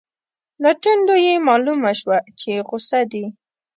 له تندو یې مالومه شوه چې غصه دي.